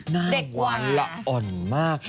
หน้าหวานละอ่อนมาก